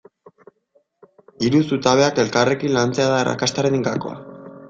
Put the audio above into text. Hiru zutabeak elkarrekin lantzea da arrakastaren gakoa.